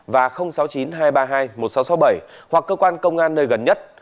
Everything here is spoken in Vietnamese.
và sáu mươi chín hai trăm ba mươi hai một nghìn sáu trăm sáu mươi bảy hoặc cơ quan công an nơi gần nhất